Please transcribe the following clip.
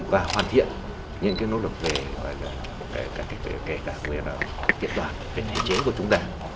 và hoàn thiện những nỗ lực về kiện đoàn về thế chế của chúng ta